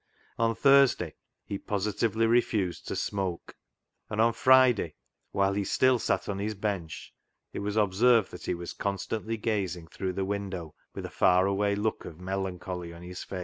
On Thursday he positively refused to smoke ; and on Friday, whilst he still sat on his bench, it was observed that he was constantly gazing through the window with a far away look of melancholy on his face.